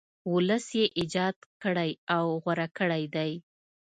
ولس یې ایجاد کړی او غوره کړی دی.